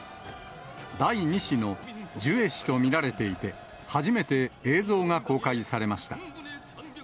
第２子のジュエ氏と見られていて、初めて映像が公開されました。